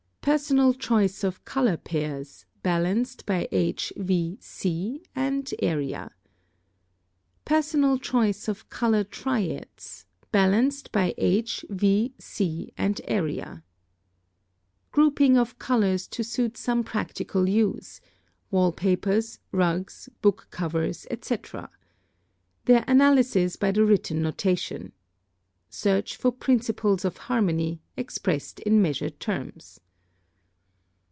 Personal choice of color PAIRS, balanced by H, V, C, and area. Personal choice of color TRIADS, balanced by H, V, C, and area. Grouping of colors to suit some practical use: wall papers, rugs, book covers, etc. Their analysis by the written notation. Search for principles of harmony, expressed in measured terms.